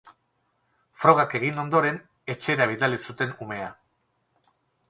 Frogak egin ondoren, etxera bidali zuten umea.